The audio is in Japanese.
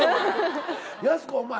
やす子お前